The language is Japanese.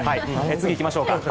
次に行きましょうか。